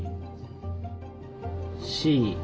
Ｃ。